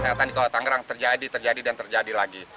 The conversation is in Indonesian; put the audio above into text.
kesehatan di kota tangerang terjadi terjadi dan terjadi lagi